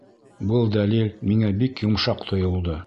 Был дәлил миңә бик йомшаҡ тойолдо.